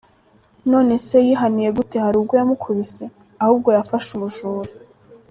Nonese yihaniye gute harubwo yamukubise? Ahubwo yafashe umujura.